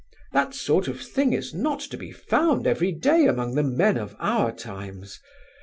That sort of thing is not to be found every day among the men of our times.